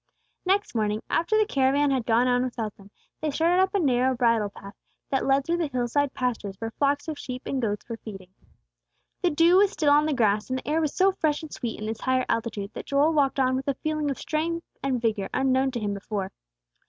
Next morning, after the caravan had gone on without them, they started up a narrow bridle path, that led through hillside pastures where flocks of sheep and goats were feeding. The dew was still on the grass, and the air was so fresh and sweet in this higher altitude that Joel walked on with a feeling of strength and vigor unknown to him before.